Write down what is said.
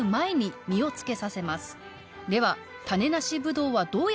では。